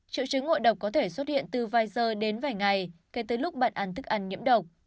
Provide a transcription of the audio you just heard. triệu chứng ngộ độc có thể xuất hiện từ vài giờ đến vài ngày kể từ lúc bạn ăn thức ăn nhiễm độc